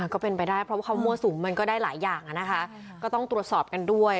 ก็เป็นไปได้เพราะว่าเขามั่วสุมมันก็ได้หลายอย่างนะคะก็ต้องตรวจสอบกันด้วย